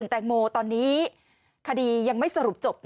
แตงโมตอนนี้คดียังไม่สรุปจบ